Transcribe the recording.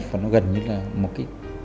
và nó gần như là một cái